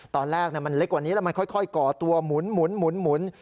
ตอนแรกมันเล็กกว่านี้แล้วมันค่อยก่อตัวหมุน